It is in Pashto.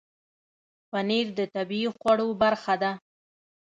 پنېر د طبیعي خوړو برخه ده.